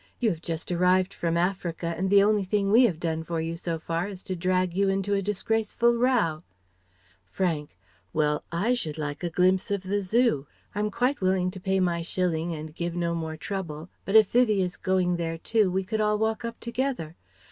You have just arrived from Africa and the only thing we have done for you, so far, is to drag you into a disgraceful row." Frank: "Well, I should like a glimpse of the Zoo. I'm quite willing to pay my shilling and give no more trouble, but if Vivie is going there too we could all walk up together.